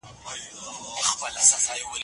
الله انصاف کوونکی دی.